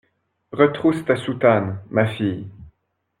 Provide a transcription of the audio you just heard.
Retrousse ta soutane, ma fille.